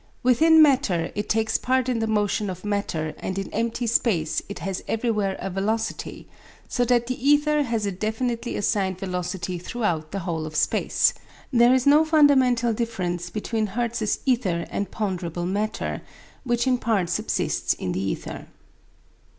Within matter it takes part in the motion of matter and in empty space it has everywhere a velocity; so that the ether has a definitely assigned velocity throughout the whole of space. There is no fundamental difference between Hertz's ether and ponderable matter (which in part subsists in the ether).